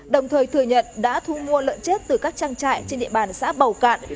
đồng thời thừa nhận đã thu mua lợn chết từ các trang trại trên địa bàn xã bầu cạn